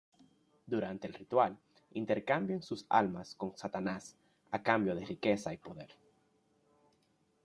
Durante el ritual, intercambian sus almas con Satanás a cambio de riqueza y poder.